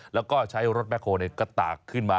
แล้วก็ใช้รถแป๊กโฮในกระตากขึ้นมา